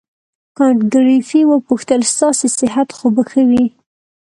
کانت ګریفي وپوښتل ستاسې صحت خو به ښه وي.